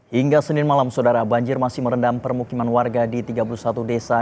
hingga senin malam saudara banjir masih merendam permukiman warga di tiga puluh satu desa